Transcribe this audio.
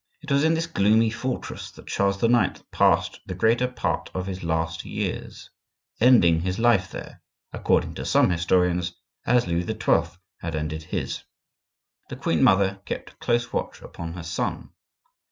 It was in this gloomy fortress that Charles IX. passed the greater part of his last years, ending his life there, according to some historians, as Louis XII. had ended his. The queen mother kept close watch upon her son.